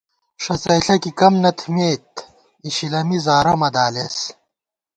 ݭڅئیݪہ کی کم نہ تھِمېت اِشِلَمی زارہ مہ دالېس